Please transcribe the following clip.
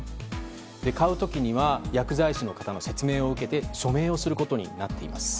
買う時は薬剤師の方の説明を受けて署名をすることになっています。